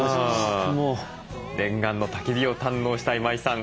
念願のたき火を堪能した今井さん。